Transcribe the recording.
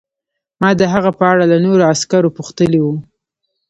ما د هغه په اړه له نورو عسکرو پوښتلي وو